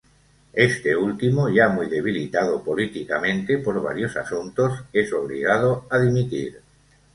Este último, ya muy debilitado políticamente por varios asuntos, es obligado a dimitir.